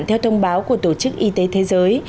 theo thông báo của tổ chức y tế thế giới